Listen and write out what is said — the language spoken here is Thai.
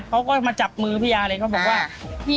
เค้าก็มาจับมือพี่ยาเลย